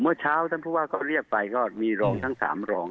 เมื่อเช้าท่านผู้ว่าก็เรียกไปก็มีรองทั้ง๓รอง